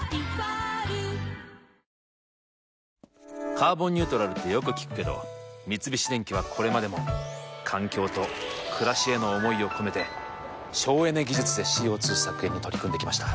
「カーボンニュートラル」ってよく聞くけど三菱電機はこれまでも環境と暮らしへの思いを込めて省エネ技術でＣＯ２削減に取り組んできました。